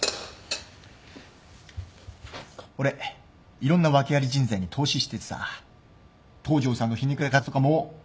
俺いろんな訳あり人材に投資しててさ東城さんのひねくれ方とかもう。